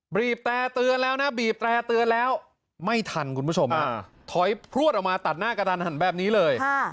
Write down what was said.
บีบแต่เตือนแล้วนะบีบแตร่เตือนแล้วไม่ทันคุณผู้ชมถอยพลวดออกมาตัดหน้ากระทันหันแบบนี้เลย